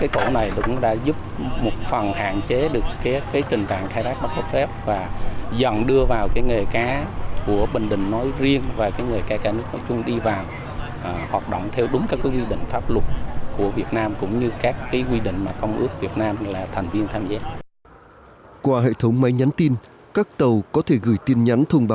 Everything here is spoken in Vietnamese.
qua hệ thống máy nhắn tin các tàu có thể gửi tin nhắn thông báo về các hệ thống hành động